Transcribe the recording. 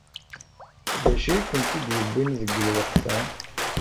D acu ay kent-id-yewwin deg lweqt-a?